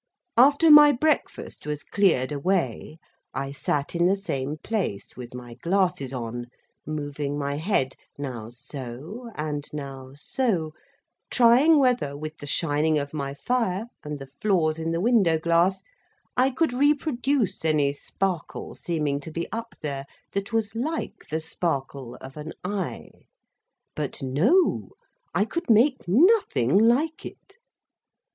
After my breakfast was cleared away, I sat in the same place with my glasses on, moving my head, now so, and now so, trying whether, with the shining of my fire and the flaws in the window glass, I could reproduce any sparkle seeming to be up there, that was like the sparkle of an eye. But no; I could make nothing like it.